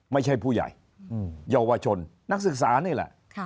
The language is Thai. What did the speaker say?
ไม่ใช่ผู้ใหญ่เยาวชนนักศึกษานี่แหละ